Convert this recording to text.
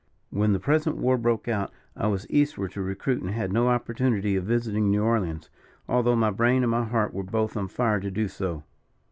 When the present war broke out I was eastward to recruit and had no opportunity of visiting New Orleans, although my brain and my heart were both on fire to do so.